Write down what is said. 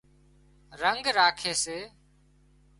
رنڳ راکي سي